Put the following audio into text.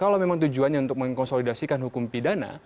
kalau memang tujuannya untuk mengkonsolidasikan hukum pidana